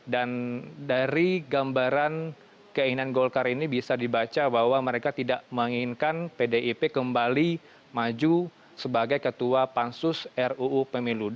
dan dari gambaran keinginan golkar ini bisa dibaca bahwa mereka tidak menginginkan pdip kembali maju sebagai ketua pansus ruu pemilu